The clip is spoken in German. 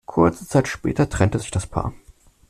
Kurze Zeit später trennte sich das Paar.